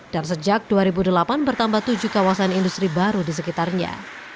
dan sejak dua ribu delapan bertambah tujuh kawasan industri baru di sekitarnya